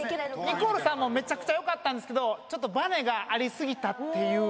ニコルさんもめちゃくちゃ良かったんですけどちょっとバネがありすぎたっていう。